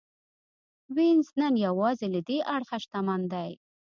وینز نن یوازې له دې اړخه شتمن دی.